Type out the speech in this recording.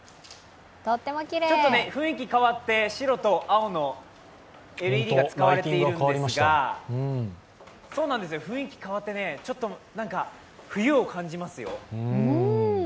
ちょっと雰囲気変わって白と青のＬＥＤが使われているんですが雰囲気、変わって、ちょっと冬を感じますよ。